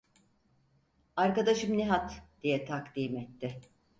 "Arkadaşım Nihat!" diye takdim etti.